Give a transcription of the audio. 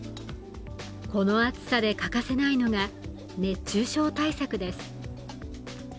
この暑さで欠かせないのが熱中症対策です。